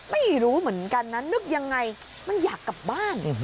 ไม่รู้เหมือนกันนะนึกยังไงมันอยากกลับบ้าน